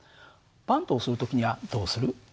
バントをする時にはどうする？